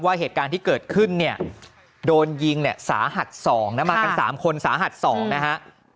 เหตุการณ์ที่เกิดขึ้นเนี่ยโดนยิงเนี่ยสาหัส๒นะมากัน๓คนสาหัส๒นะฮะ